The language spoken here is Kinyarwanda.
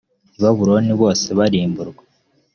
i babuloni bose barimburwa